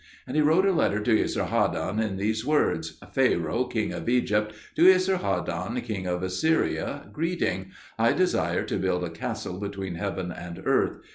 And he wrote a letter to Esarhaddon in these words: "Pharaoh, king of Egypt, to Esarhaddon, king of Assyria, greeting! I desire to build a castle between heaven and earth.